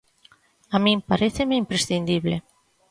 A min paréceme imprescindible.